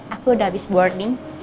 aku udah habis boarding